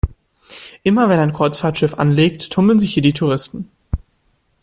Immer wenn ein Kreuzfahrtschiff anlegt, tummeln sich hier die Touristen.